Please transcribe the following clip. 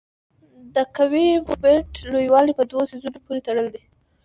د قوې د مومنټ لویوالی په دوو څیزونو پورې تړلی دی.